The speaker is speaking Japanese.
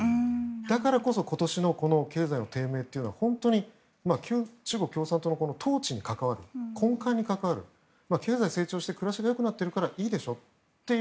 だからこそ今年の経済の低迷は本当に中国共産党の統治に関わる、根幹に関わる経済成長して暮らしが良くなっているからいいでしょという。